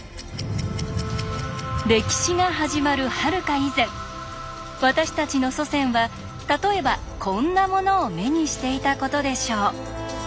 歴史が始まるはるか以前私たちの祖先は例えばこんなものを目にしていたことでしょう。